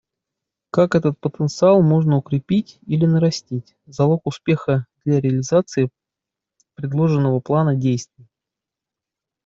Как этот потенциал можно укрепить или нарастить — залог успеха для реализации предложенного плана действий.